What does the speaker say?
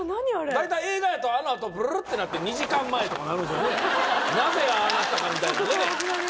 大体映画やとあのあとブルルってなって「２時間前」とかなるなぜああなったかみたいなね